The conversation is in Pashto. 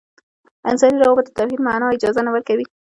انساني روابطو توحید معنا اجازه نه ورکوو.